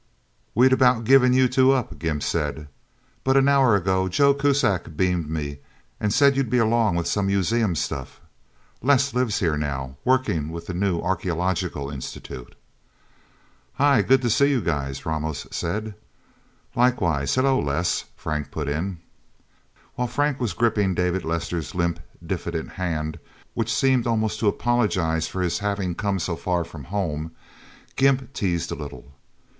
"We'd about given you two up," Gimp said. "But an hour ago Joe Kuzak beamed me, and said you'd be along with some museum stuff... Les lives here, now, working with the new Archeological Institute." "Hi hi good to see you guys," Ramos said. "Likewise. Hello, Les," Frank put in. While Frank was gripping David Lester's limp, diffident hand, which seemed almost to apologize for his having come so far from home, Gimp teased a little.